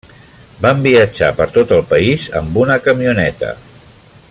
Van viatjar per tot el país amb una camioneta.